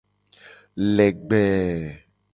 Legbee.